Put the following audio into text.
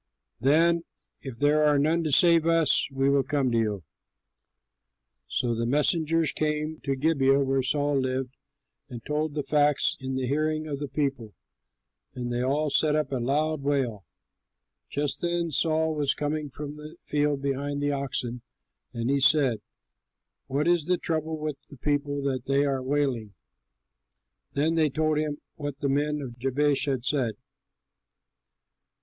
Then, if there are none to save us, we will come to you." So the messengers came to Gibeah where Saul lived and told the facts in the hearing of the people, and they all set up a loud wail. Just then Saul was coming from the field behind the oxen, and he said, "What is the trouble with the people that they are wailing?" Then they told him what the men of Jabesh had said.